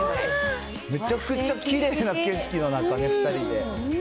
めちゃくちゃきれいな景色の中、２人で。